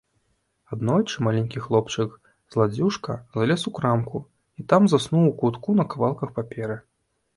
Аднойчы маленькі хлопчык-зладзюжка залез у крамку і там заснуў у кутку на кавалках паперы.